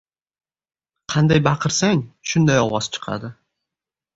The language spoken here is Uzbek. • Qanday baqirsang, shunday ovoz chiqadi.